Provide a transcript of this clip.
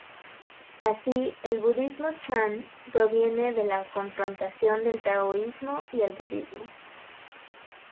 Así el Budismo Chan proviene de la confrontación del taoísmo y el budismo.